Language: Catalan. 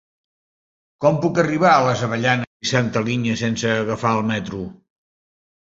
Com puc arribar a les Avellanes i Santa Linya sense agafar el metro?